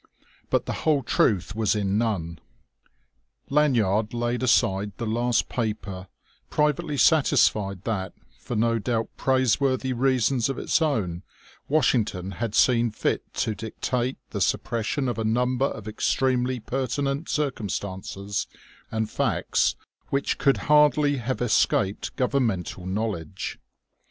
But the whole truth was in none. Lanyard laid aside the last paper privately satisfied that, for no doubt praiseworthy reasons of its own, Washington had seen fit to dictate the suppression of a number of extremely pertinent circumstances and facts which could hardly have escaped governmental knowledge.